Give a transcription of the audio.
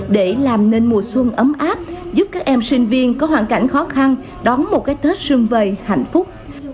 để làm nên mùa xuân ấm áp giúp các em sinh viên có hoàn cảnh khó khăn đón một cái tết xuân vầy hạnh phúc